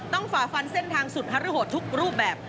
ฝ่าฟันเส้นทางสุดฮารุโหดทุกรูปแบบ